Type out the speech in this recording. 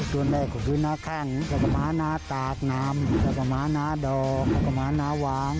ส่วนแรกก็คือนาขังเฉพาะม้านาตากน้ำเฉพาะม้านาดอกเฉพาะม้านาหวัง